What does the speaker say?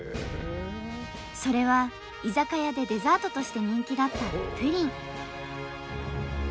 それは居酒屋でデザートとして人気だったプリン。